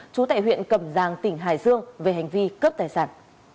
chú tại huyện cầm giang tỉnh hải dương về hành vi cấp tài sản